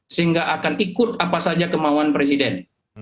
sehingga akan ikut apa saja kemauan presiden